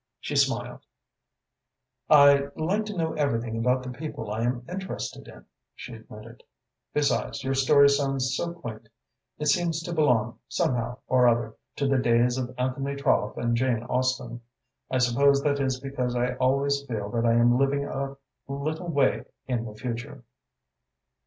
She smiled. "I like to know everything about the people I am interested in," she admitted. "Besides, your story sounds so quaint. It seems to belong, somehow or other, to the days of Anthony Trollope and Jane Austen. I suppose that is because I always feel that I am living a little way in the future."